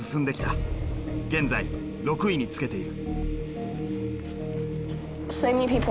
現在６位につけている。